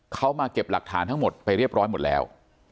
เขามาเก็บหลักฐานทั้งหมดไปเรียบร้อยหมดแล้ว